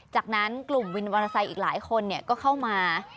จากนั้นกลุ่มวินมอเตอร์ไซค์อีกหลายคนก็เข้ามา